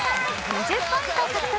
２０ポイント獲得。